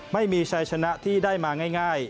ไม่มีชัยชนะที่ได้มาง่าย